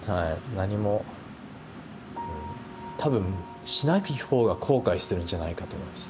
何も多分しない方が後悔しているんじゃないかと思います